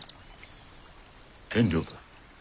天領だ。